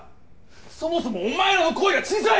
そもそもお前らの声が小さい！